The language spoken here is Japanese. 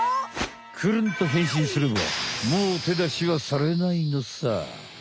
くるんと変身すればもうてだしはされないのさ。